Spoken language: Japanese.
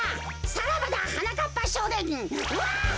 さらばだはなかっぱしょうねん！